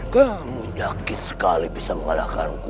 kamu yakin sekali bisa mengadakanku